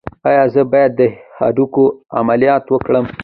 ایا زه باید د هډوکو عملیات وکړم؟